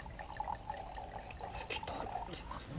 透き通ってますね。